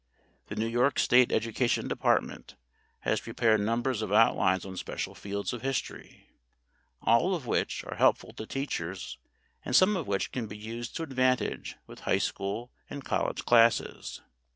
The New York State Education Department has prepared numbers of outlines on special fields of history, all of which are helpful to teachers and some of which can be used to advantage with high school and college classes.